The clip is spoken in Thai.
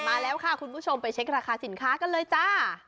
มาแล้วค่ะคุณผู้ชมไปเช็คราคาสินค้ากันเลยจ้า